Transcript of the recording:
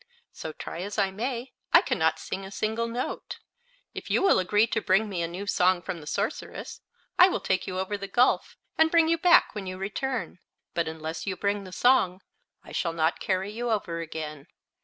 "So, try as I may, I can not sing a single note. If you will agree to bring me a new song from the sorceress I will take you over the gulf, and bring you back when you return. But unless you bring the song I shall not carry you over again."